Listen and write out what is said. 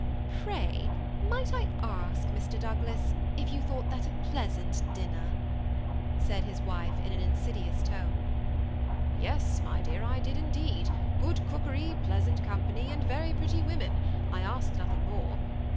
" Pray, may I ask, Mr. Douglas, if you thought that a pleasant dinner ?" said his wife, in an insidious tone. " Yes, my dear, I did indeed : good cookery, pleasant company, and very pretty women, — I ask nothing more.